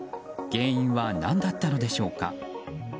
原因は何だったのでしょうか。